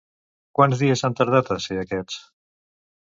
Quants dies han tardat a ser aquests?